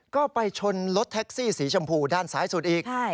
ก็ไปชนรถแท็กซี่สีชมพูด้านซ้ายสุดอีก